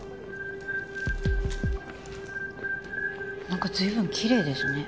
なんか随分きれいですね。